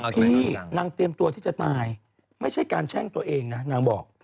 พี่นางเตรียมตัวที่จะตายไม่ใช่การแช่งตัวเองนะนางบอก